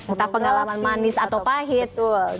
entah pengalaman manis atau pahit